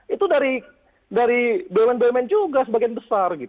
itu dari bumn bumn juga sebagian besar